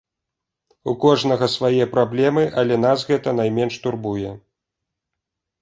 У кожнага свае праблемы, але нас гэта найменш турбуе.